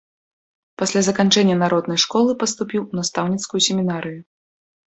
Пасля заканчэння народнай школы, паступіў у настаўніцкую семінарыю.